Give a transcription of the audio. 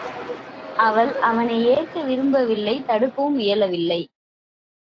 அவள் அவனை ஏற்க விரும்பவில்லை தடுக்கவும் இயலவில்லை.